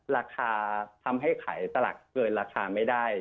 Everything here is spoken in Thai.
ราคาทำให้ขายสลักเกินราคาไม่ได้